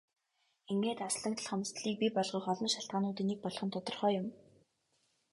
Ингээд алслагдал хомсдолыг бий болгох олон шалтгаануудын нэг болох нь тодорхой юм.